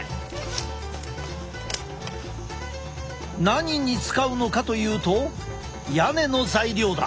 何に使うのかというと屋根の材料だ。